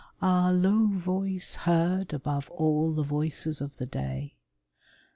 Ah, low voice, Heard above all the voices of the day!